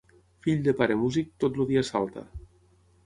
Fill de pare músic, tot el dia salta.